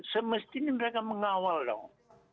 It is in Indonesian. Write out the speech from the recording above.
semestinya mereka mengawal dong